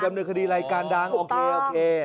อ๋อดำเนื้อคดีรายการดังโอเค